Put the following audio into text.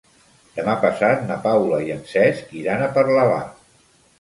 Demà passat na Paula i en Cesc iran a Parlavà.